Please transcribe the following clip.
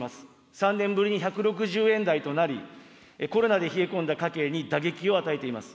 ３年ぶりに１６０円台となり、コロナで冷え込んだ家計に打撃を与えています。